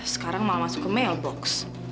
sekarang malah masuk ke mailbox